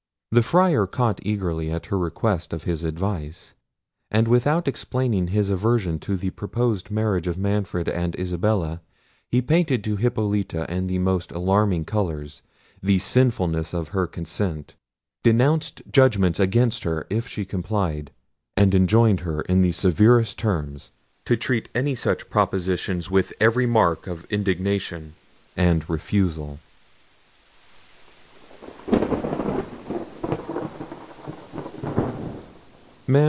The Friar caught eagerly at her request of his advice, and without explaining his aversion to the proposed marriage of Manfred and Isabella, he painted to Hippolita in the most alarming colours the sinfulness of her consent, denounced judgments against her if she complied, and enjoined her in the severest terms to treat any such proposition with every mark of indignation and refusal.